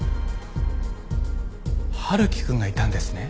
春樹くんがいたんですね？